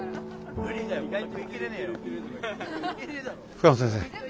深野先生